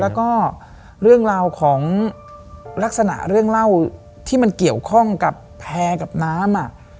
แล้วก็เรื่องราวของลักษณะเรื่องเล่าที่มันเกี่ยวข้องกับแพร่กับน้ำ